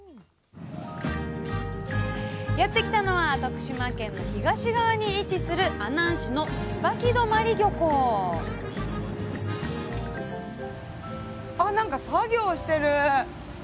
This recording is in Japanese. やって来たのは徳島県の東側に位置する阿南市の椿泊漁港あっ何か作業してる。